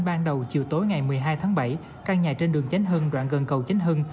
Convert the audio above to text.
ban đầu chiều tối ngày một mươi hai tháng bảy căn nhà trên đường chánh hưng đoạn gần cầu chính hưng